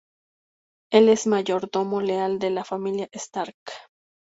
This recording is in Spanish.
Él es el mayordomo leal de la familia Stark.